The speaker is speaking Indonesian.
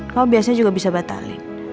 kalau biasanya juga bisa batalin